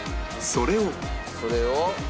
それを。